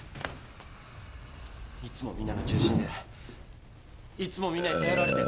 いっつもみんなの中心でいっつもみんなに頼られて！